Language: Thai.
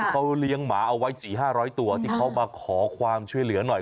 เขาเลี้ยงหมาเอาไว้๔๕๐๐ตัวที่เขามาขอความช่วยเหลือหน่อย